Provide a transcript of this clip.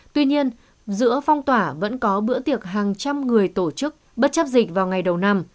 tuy nhiên giữa phong tỏa vẫn có bữa tiệc hàng trăm người tổ chức bất chấp dịch vào ngày đầu năm